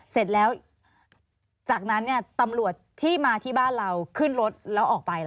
เสร็จแล้วจากนั้นตำรวจที่มาที่บ้านเราขึ้นรถแล้วออกไป